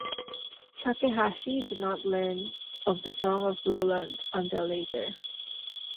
Kakehashi did not learn of "The Song Of Roland" until later.